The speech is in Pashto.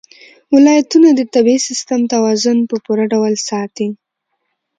ولایتونه د طبعي سیسټم توازن په پوره ډول ساتي.